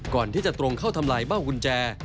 ก่อนที่จะตรงเข้าทำลายเบ้ากุญแจ